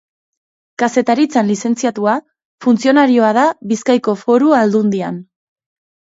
Kazetaritzan lizentziatua, funtzionarioa da Bizkaiko Foru Aldundian.